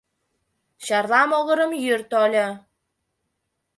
Чарла могырым йӱр тольо